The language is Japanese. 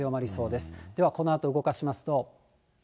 では、このあと動かしますと。